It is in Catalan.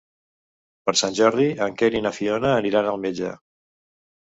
Per Sant Jordi en Quer i na Fiona aniran al metge.